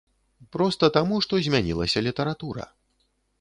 Проста таму, што змянілася літаратура.